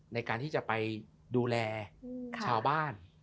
ในการที่จะไปดูแลชาวบ้าน